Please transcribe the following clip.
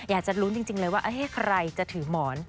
อยากจะลุ้นจริงเลยว่าใครจะถือหมอน